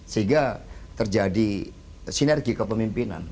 sehingga terjadi sinergi kepemimpinan